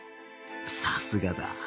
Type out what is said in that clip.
さすがだ